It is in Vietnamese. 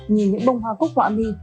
nhìn những bông hoa cúc họa mi